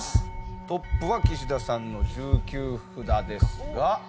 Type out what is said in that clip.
トップは岸田さんの１９札ですが。